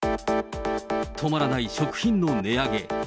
止まらない食品の値上げ。